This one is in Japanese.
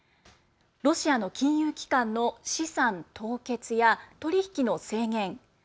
ロシアの金融機関の資産凍結や取り引きの制限。